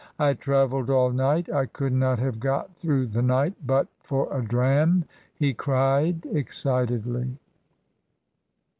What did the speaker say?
I travelled all night I could not have got through the night but for a dram," he cried, excitedly.